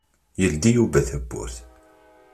Yeldi Yuba tawwurt.